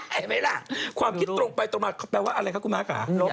เห็นไหมล่ะความคิดตรงไปตรงมาแปลว่าอะไรคะคุณม้าค่ะ